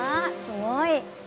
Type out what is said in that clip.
すごい。